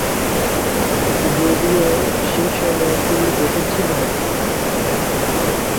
যদিও সেসময় তিনি দেশে ছিলেন না।